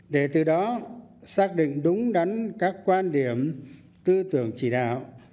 để từ đó xác định đúng đắn các quan điểm tư tưởng chỉ đạo